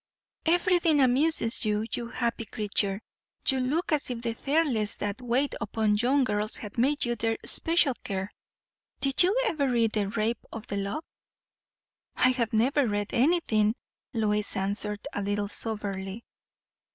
"Everything amuses you, you happy creature! You look as if the fairies that wait upon young girls had made you their special care. Did you ever read the 'Rape of the Lock'?" "I have never read anything," Lois answered, a little soberly.